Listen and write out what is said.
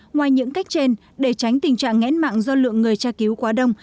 ngoài những cách trên để tránh tình trạng nghẽn mạng do lượng người tra cứu quá đông